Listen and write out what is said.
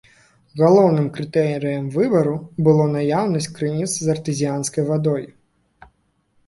Галоўным крытэрыем выбару было наяўнасць крыніц з артэзіянскай вадой.